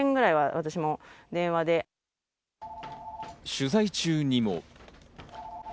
取材中にも。